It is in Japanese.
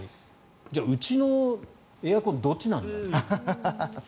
じゃあ、うちのエアコンどっちなんだと。